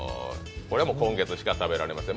今月しか食べられません。